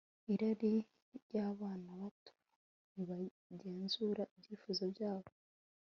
irari ryabana babo ntibagenzure ibyifuzo byabo